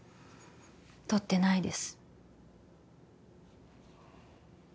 取ってないです